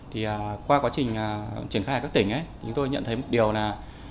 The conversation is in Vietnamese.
thì qua quá trình triển khai ở các tỉnh chúng tôi nhận thấy một điều là